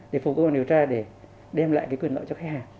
để phục vụ điều tra để đem lại quyền lợi cho khách hàng